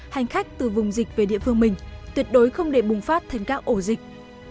hành khách từ vùng dịch về địa phương mình tuyệt đối không để bùng phát thành các ổ dịch